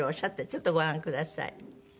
ちょっとご覧ください。